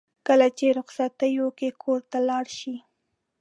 کله چې رخصتیو کې کور ته لاړ شي.